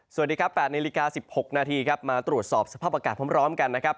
สวัสดีครับ๘นาฬิกา๑๖นาทีครับมาตรวจสอบสภาพอากาศพร้อมกันนะครับ